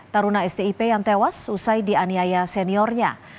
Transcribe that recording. taruna stip yang tewas usai dianiaya seniornya